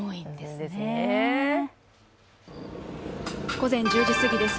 午前１０時すぎです。